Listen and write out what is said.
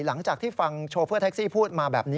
หลังจากที่ฟังโชเฟอร์แท็กซี่พูดมาแบบนี้